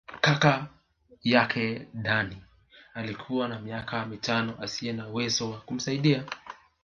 Kaka yake Dani alikuwa na miaka mitano asiye na uwezo wa kumsaidia.